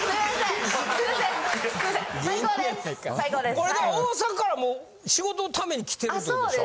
これでも大阪からもう仕事のために来てるってことでしょ？